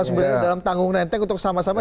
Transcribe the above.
sebenarnya dalam tanggung nenteng untuk sama sama